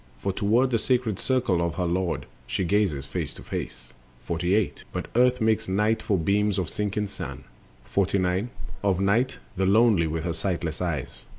For toward the sacred circle of her lord She gazes face to face. 48. But earth makes night for beams of sinking sun. The Darkling Night. 49. Of night, the lonely, with her sightless eyes.